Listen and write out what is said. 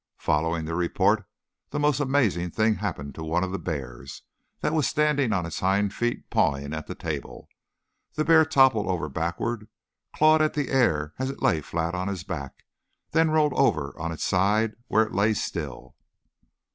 Following the report, the most amazing thing happened to one of the bears that was standing on its hind feet pawing at the table. The bear toppled over backwards, clawed the air as it lay flat on its back, then rolled over on its side where it lay still.